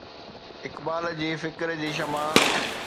اقبال جي فڪر جي شمع